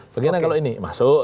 bagaimana kalau ini masuk